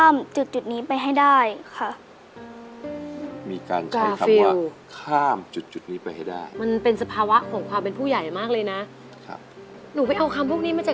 มันเป็นสภาวะของความผู้ใหญ่มากเลยนะ